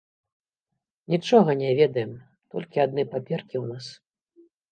Нічога не ведаем, толькі адны паперкі ў нас.